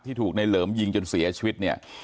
ถูกในเหลิมยิงจนเสียชีวิตเนี่ย